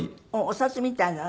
お札みたいな？